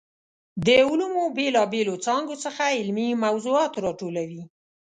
د علومو بېلا بېلو څانګو څخه علمي موضوعات راټولوي.